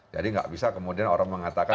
jadi nggak bisa kemudian orang mengatakan